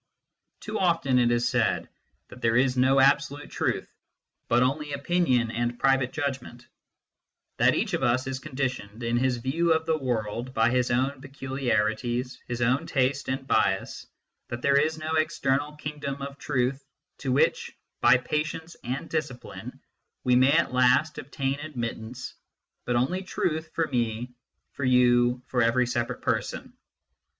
Too often it is said that there is no absolute truth, but only opinion and private judgment ; that each of us is conditioned, in his view of the world, by his own peculiarities, his own taste and bias ; that there is no external kingdom of truth to which, by patience and discipline, we may at last obtain admittance, but only truth for me, for you, for every separate person.